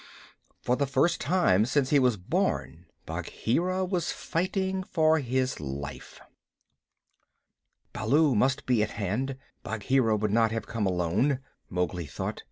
For the first time since he was born, Bagheera was fighting for his life. "Baloo must be at hand; Bagheera would not have come alone," Mowgli thought.